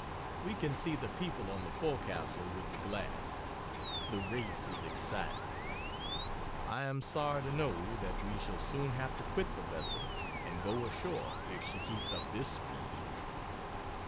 We can see the people on the forecastle with the glass. The race is exciting. I am sorry to know that we shall soon have to quit the vessel and go ashore if she keeps up this speed.